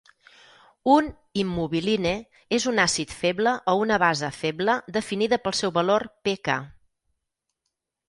Un "Immobiline" és un àcid feble o una base feble definida pel seu valor pK.